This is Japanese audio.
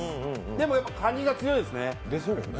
でもやっぱりかにが強いですね。